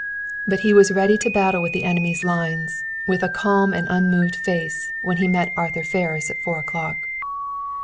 But he was ready to battle within the enemy's lines, with a calm and unmoved face, when he met Arthur Ferris at four o'clock.